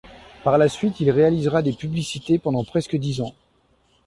Par la suite il réalisera des publicités pendant presque dix ans.